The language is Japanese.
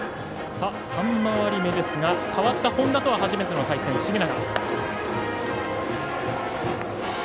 ３回り目ですが代わった本田とは初めての対戦、繁永。